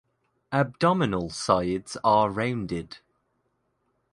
Abdominal sides are rounded.